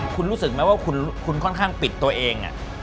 คุณรู้สึกไหมว่าคุณค่อนข้างปิดตัวเอง